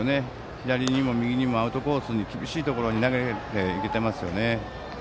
左にも右にもアウトコースに厳しいところに投げていけてますよね。